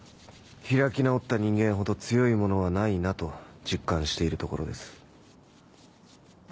開き直った人間ほど強いものはないなと実感しているところです。